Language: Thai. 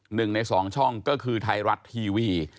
หนึ่งในสองช่องก็คือไทยรัฐทีวี